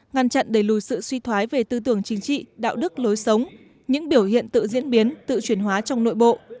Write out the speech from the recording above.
ngăn chặn đẩy lùi sự suy thoái về tư tưởng chính trị đạo đức lối sống những biểu hiện tự diễn biến tự chuyển hóa trong nội bộ